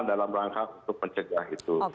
dalam rangka untuk mencegah itu